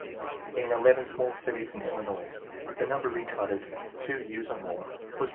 2 In 11 small cities in Illinois the number retarded two years or more was 20.